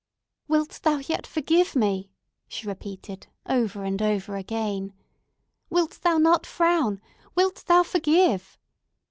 "Wilt thou yet forgive me?" she repeated, over and over again. "Wilt thou not frown? Wilt thou forgive?"